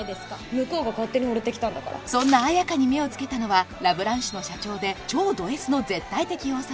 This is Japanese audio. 向こうが勝手にホレてきたんだからそんな綾華に目をつけたのはラ・ブランシュの社長で超ドＳの絶対的王様